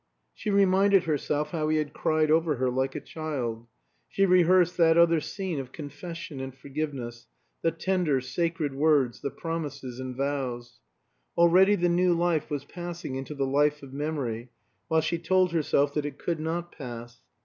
She reminded herself how he had cried over her like a child; she rehearsed that other scene of confession and forgiveness the tender, sacred words, the promises and vows. Already the New Life was passing into the life of memory, while she told herself that it could not pass.